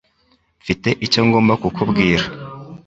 Mfite icyo ngomba kukubwira.